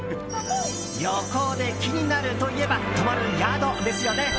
旅行で気になるといえば泊まる宿ですよね。